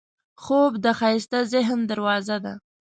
خوب د ښایسته ذهن دروازه ده